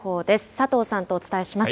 佐藤さんとお伝えします。